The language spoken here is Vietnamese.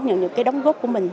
những cái đóng gốc của mình